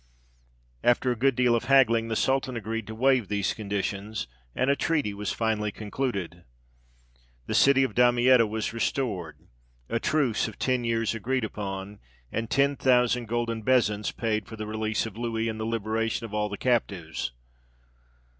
After a good deal of haggling, the sultan agreed to waive these conditions, and a treaty was finally concluded. The city of Damietta was restored; a truce of ten years agreed upon, and ten thousand golden bezants paid for the release of Louis and the liberation of all the captives.